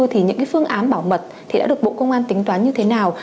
thì những phương án bảo mật thì đã được bộ công an tính toán như thế nào